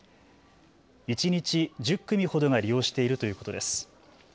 一日１０組ほどが利用しているということです。